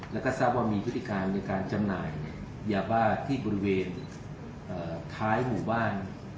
แล้วก็ทราบว่ามีพฤติการในการจำหน่ายยาบ้าที่บริเวณท้ายหมู่บ้าน